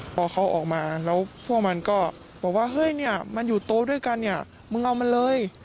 พอเขาออกมาแล้วพวกมันก็บอกว่าเฮ้ยเนี่ยมันอยู่โต๊ะด้วยกันเนี่ยมึงเอามันเลย